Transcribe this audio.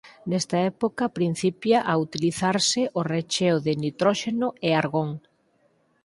Nesta época principia a utilizarse o recheo de nitróxeno e argón.